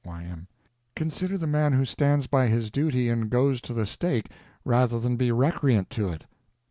Y.M. Consider the man who stands by his duty and goes to the stake rather than be recreant to it.